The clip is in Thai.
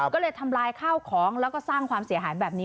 ก็เลยทำลายข้าวของแล้วก็สร้างความเสียหายแบบนี้